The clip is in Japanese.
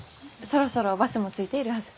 そろそろバスも着いているはず。